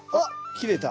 切れた。